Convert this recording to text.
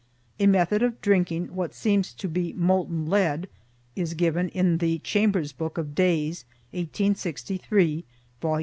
A method of drinking what seems to be molten lead is given in the Chambers' Book of Days, 1863, Vol.